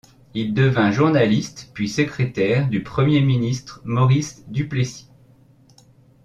Il devint journaliste puis secrétaire du premier ministre Maurice Duplessis.